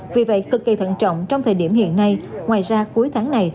vì vậy cực kỳ thận trọng trong thời điểm hiện nay ngoài ra cuối tháng này